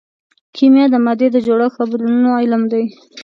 کیمیا د مادې د جوړښت او بدلونونو علم دی.